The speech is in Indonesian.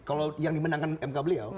kalau yang dimenangkan mk beliau